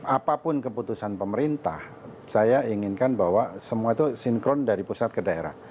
apapun keputusan pemerintah saya inginkan bahwa semua itu sinkron dari pusat ke daerah